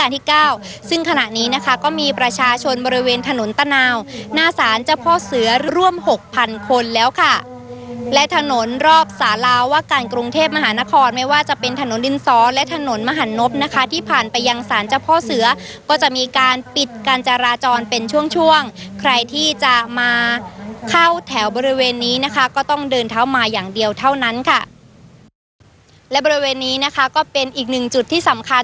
ที่เก้าซึ่งขณะนี้นะคะก็มีประชาชนบริเวณถนนตะนาวหน้าศาลเจ้าพ่อเสือร่วมหกพันคนแล้วค่ะและถนนรอบสาราว่าการกรุงเทพมหานครไม่ว่าจะเป็นถนนดินซ้อและถนนมหันนบนะคะที่ผ่านไปยังสารเจ้าพ่อเสือก็จะมีการปิดการจราจรเป็นช่วงช่วงใครที่จะมาเข้าแถวบริเวณนี้นะคะก็ต้องเดินเท้ามาอย่างเดียวเท่านั้นค่ะและบริเวณนี้นะคะก็เป็นอีกหนึ่งจุดที่สำคัญ